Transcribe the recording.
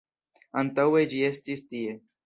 Antaŭe ĝi estis tie.